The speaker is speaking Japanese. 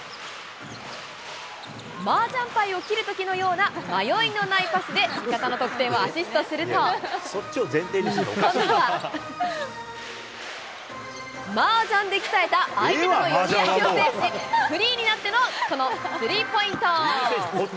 麻雀牌をきるときのような迷いのないパスで、味方の得点をアシストすると、今度は、麻雀で鍛えた相手との読み合いを制し、フリーになってのこのスリーポイント。